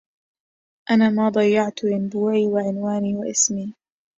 أنا ما ضيَّعتُ ينبوعي وعنوانيَ واسمي